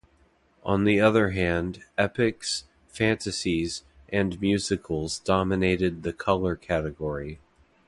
On the other hand, epics, fantasies, and musicals dominated the color category.